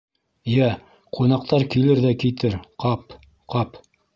— Йә, ҡунаҡтар килер ҙә китер, ҡап, ҡап.